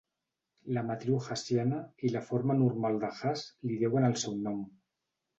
La matriu hessiana i la forma normal de Hesse li deuen el seu nom.